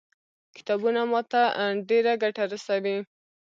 کتابونه ما ته ډېره ګټه رسوي.